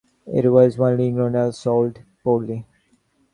It was widely ignored and sold poorly.